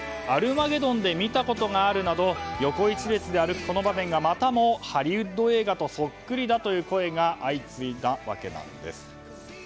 「アルマゲドン」で見たことがあるなど横１列で歩くこの場面がまたもハリウッド映画とそっくりだという声が相次いだわけなんです。